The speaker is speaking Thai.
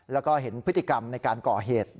แล้วก็เห็นพฤติกรรมในการก่อเหตุ